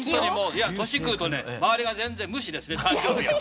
いや年くうとね周りが全然無視ですね誕生日を。